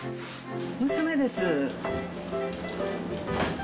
娘です。